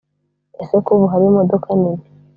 Ese ko ubu hari imodoka nini